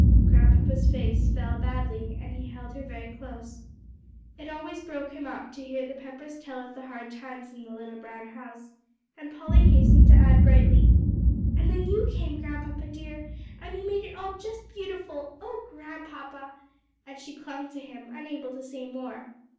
Grandpapa's face fell badly, and he held her very close. It always broke him up to hear the Peppers tell of the hard times in the little brown house, and Polly hastened to add brightly, "And then you came, Grandpapa dear, and you made it all just beautiful oh Grandpapa!" and she clung to him, unable to say more.